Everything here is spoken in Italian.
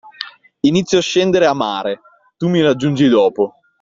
Inizio a scendere a mare, tu mi raggiungi dopo.